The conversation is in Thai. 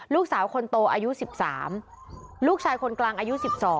ลูกสาวคนโตอายุ๑๓ลูกชายคนกลางอายุ๑๒